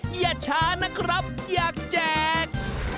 อย่าช้านะครับอยากแจก